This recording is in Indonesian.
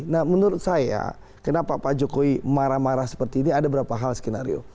nah menurut saya kenapa pak jokowi marah marah seperti ini ada beberapa hal skenario